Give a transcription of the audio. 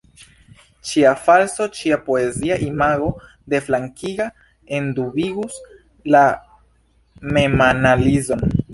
Ĉia falso, ĉia poezia imago deflankiga, endubigus la memanalizon.